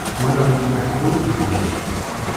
Walaɣ yella kra ibeddlen.